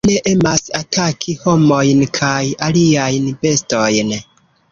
Ili ne emas ataki homojn kaj aliajn bestojn.